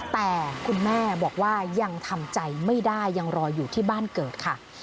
แต่คุณแม่บอกว่ายังทำใจไม่ได้ยังรออยู่ที่บ้านเกิดค่ะ